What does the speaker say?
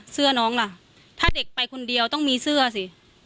เสื้อน้องล่ะถ้าเด็กไปคนเดียวต้องมีเสื้อสิ